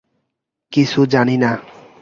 কিছু জানি না!